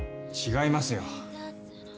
違いますよ。